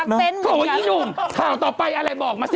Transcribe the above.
หนูข่าวต่อไปอะไรบอกมาสิ